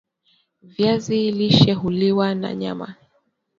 viazi lishe huliwa na nyama